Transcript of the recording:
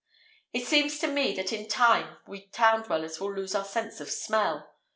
It seems to me that in time we town dwellers will lose our sense of smell!